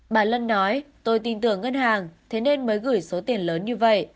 bà lân nói tôi tin tưởng ngân hàng thế nên mới gửi số tiền lớn như vậy